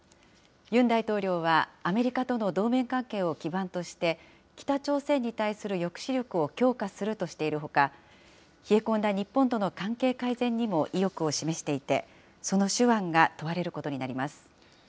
ユン大統領は、アメリカとの同盟関係を基盤として、北朝鮮に対する抑止力を強化するとしているほか、冷え込んだ日本との関係改善にも意欲を示していて、その手腕が問われることになります。